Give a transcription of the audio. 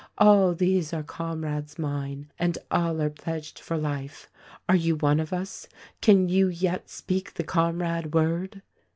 All these are comrades mine, and all are pledged for life — are you of us? Can you yet speak the Comrade word?"